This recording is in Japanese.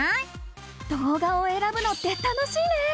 動画をえらぶのって楽しいね！